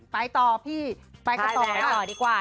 ไปต่อพี่ไปต่อดีกว่า